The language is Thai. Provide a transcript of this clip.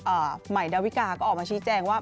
ใหม่ดาวิกาก็ออกมาชี้แจงว่า